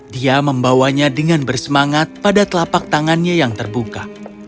dia membawanya dengan bersemangat pada telapak tangannya yang terbuka